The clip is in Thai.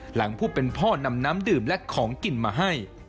หลังผู้เป็นพ่อนำน้ำดื่มและของกินมาให้